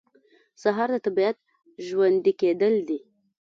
سهار د طبیعت ژوندي کېدل دي.